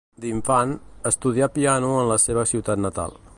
D'infant, estudià piano en la seva ciutat natal.